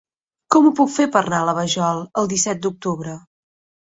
Com ho puc fer per anar a la Vajol el disset d'octubre?